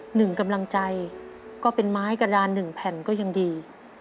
หนึ่งกำลังใจก็เป็นไม้กระดานหนึ่งแผ่นก็ยังดี